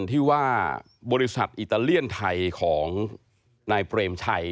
ที่ว่าบริษัทอิตาเลียนไทยของนายเปรมชัย